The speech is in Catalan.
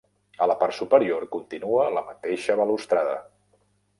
A la part superior continua la mateixa balustrada.